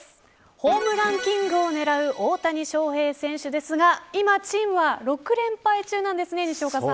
ホームランキングを狙う大谷翔平選手ですが今、チームは６連敗中なんですね西岡さん。